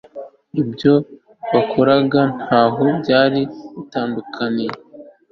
ibyo bakoraga ntaho byari bitandukaniye